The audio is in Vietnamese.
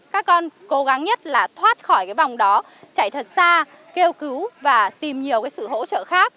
các con cố gắng nhất là thoát khỏi cái vòng đó chạy thật xa kêu cứu và tìm nhiều cái sự hỗ trợ khác